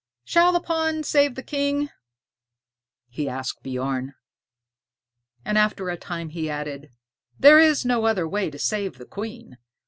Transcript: "Shall the pawn save the king?" he asked of Bjorn. And after a time he added: "There is no other way to save the queen."